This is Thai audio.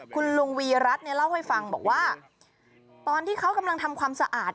คุณลุงวีรัฐเนี่ยเล่าให้ฟังบอกว่าตอนที่เขากำลังทำความสะอาด